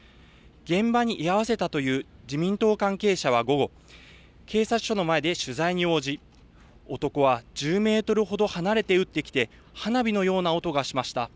現場に居合わせたという自民党関係者は午後、警察署の前で取材に応じ、男は１０メートルほど離れて撃ってきて、花火のような音がしました。